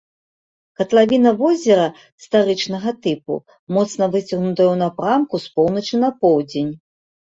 Катлавіна возера старычнага тыпу, моцна выцягнутая ў напрамку з поўначы на поўдзень.